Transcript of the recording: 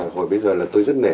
hồi bây giờ là tôi rất nể